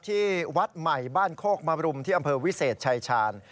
ที่วัดใหม่บ้านโคกมรุมที่อำเภอวิเศษชายชาญ